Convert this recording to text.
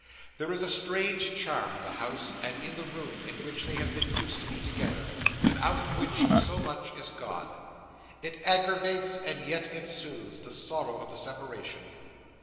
There is a strange charm in the house, and in the room, in which they have been used to be together, and out of which so much is gone. It aggravates, and yet it soothes, the sorrow of the separation.